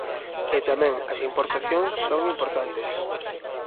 E tamén as importacións son importantes.